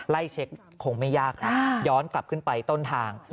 ไล่เช็คคงไม่ยากครับย้อนกลับขึ้นไปต้นทาง